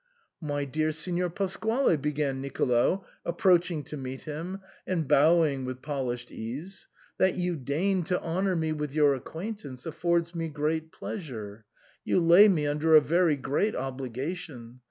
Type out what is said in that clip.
"My dear Signor Pasquale," began Nicolo, ap proaching to meet him, and bowing with polished ease, " that you deign to honour me with your acquaintance affords me great pleasure. You lay me under a very great obligation.